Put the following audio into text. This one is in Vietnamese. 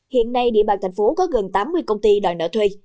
hiện nay địa bàn thành phố có gần tám mươi công ty đòi nợ thuê